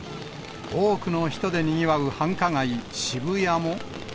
多くの人でにぎわう繁華街、渋谷も。